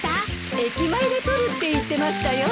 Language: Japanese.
駅前で撮るって言ってましたよ。